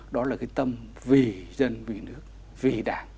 đó là cái tâm về dân về nước về đảng